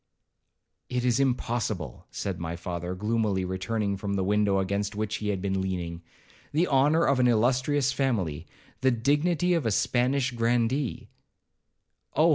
'It is impossible,' said my father, gloomily returning from the window against which he had been leaning; 'the honour of an illustrious family,—the dignity of a Spanish grandee—' 'Oh!